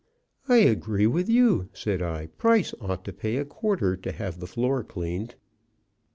"I agree with you," said I; "Price ought to pay a quarter to have the floor cleaned.